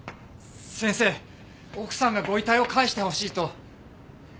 先生奥さんがご遺体を返してほしいと。